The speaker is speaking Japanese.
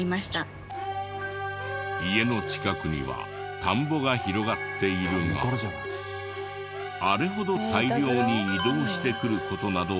家の近くには田んぼが広がっているがあれほど大量に移動してくる事などあるのか？